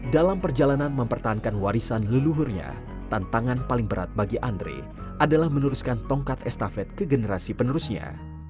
dalam perjalanan mempertahankan warisan leluhurnya tantangan paling berat bagi andre adalah meneruskan tongkat estafet ke generasi penerusnya